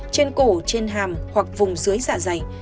trên cổ trên hàm hoặc vùng dưới dạ dày